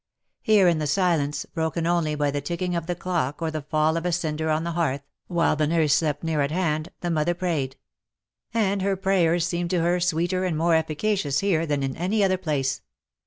Here, in the silence, broken only by the ticking of the clock or the fall of a cinder on the hearth, while the nurse slept near at hand^ the mother prayed ; and her prayers seemed to her sweeter and more efficacious here than in any other place.